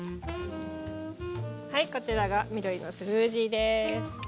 はいこちらが緑のスムージーです。